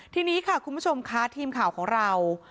ทีนี้ค่ะคุณผู้ชมค่ะทีมข่าวของเรา